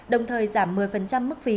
đồng thời giảm một mươi mức phí